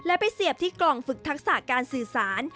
และไปเสียบที่กล่องฝึกทักษะการสื่อสาร